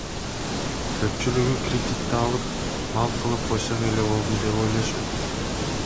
Көпчүлүгү кредитти алып, мал кылып койсом эле болду деп ойлошот.